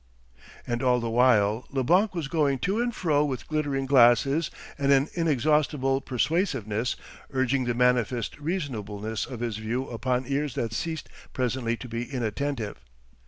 And all the while Leblanc was going to and fro with glittering glasses and an inexhaustible persuasiveness, urging the manifest reasonableness of his view upon ears that ceased presently to be inattentive.